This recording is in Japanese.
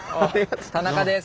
田中です。